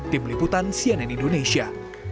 tim liputan cnn indonesia